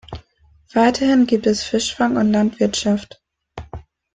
Weiterhin gibt es Fischfang und Landwirtschaft.